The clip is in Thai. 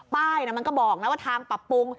ป้ายมันก็บอกนะว่าทางปรับปรุง